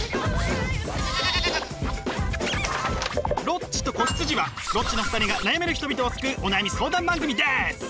「ロッチと子羊」はロッチの２人が悩める人々を救うお悩み相談番組です！